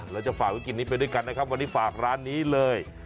เราจะฝากวิกฤตนี้ไปด้วยกันนะครับวันนี้ฝากร้านนี้เลย